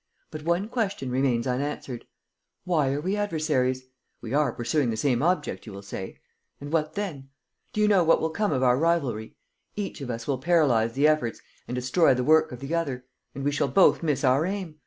But one question remains unanswered: why are we adversaries? We are pursuing the same object, you will say? And what then? Do you know what will come of our rivalry? Each of us will paralyze the efforts and destroy the work of the other; and we shall both miss our aim!